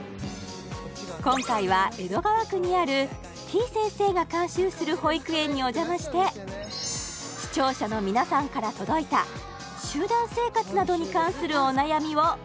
今回は江戸川区にあるてぃ先生が監修する保育園にお邪魔して視聴者の皆さんから届いたしていきます